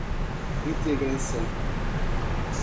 integração